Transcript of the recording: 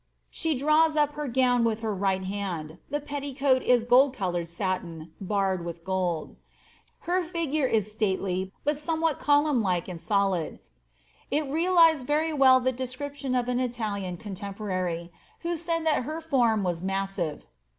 She draws up her gown with her right hand ; etticoat is gold coloured satin, barred with gold. Her figure is fr, but somewhat column like and solid. It realised very well the lition of an Italian contemporary, who said that her form was pe.